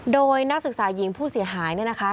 โดยนักศึกษาหญิงผู้เสียหายเนี่ยนะคะ